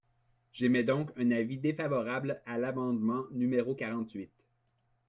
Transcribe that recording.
J’émets donc un avis défavorable à l’amendement numéro quarante-huit.